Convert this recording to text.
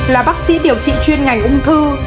là bác sĩ điều trị chuyên ngành ung thư